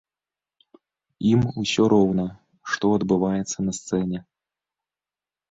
Ім усё роўна, што адбываецца на сцэне.